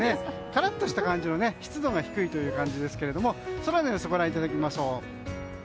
カラッとした感じで湿度が低い感じですけども空の様子をご覧いただきましょう。